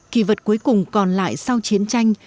kỳ vật cuối cùng còn lại sau chiến tranh